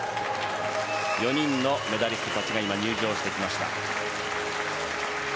４人のメダリストたちが入場してきました。